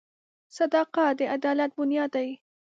• صداقت د عدالت بنیاد دی.